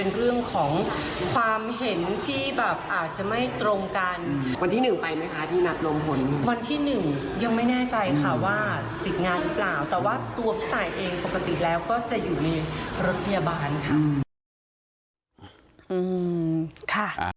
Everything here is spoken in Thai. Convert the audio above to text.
ว่าติดงานหรือเปล่าแต่ว่าตัวสไตล์เองปกติแล้วก็จะอยู่ในรถพยาบาลค่ะ